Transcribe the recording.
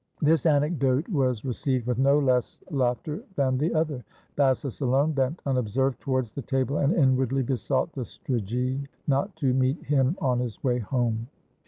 '" This anecdote was received with no less laughter than 479 I ROME the other. Bassus alone bent unobserved towards the table, and inwardly besought the strigae not to meet him on his way home.